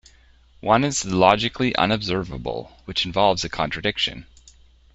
One is the logically unobservable, which involves a contradiction.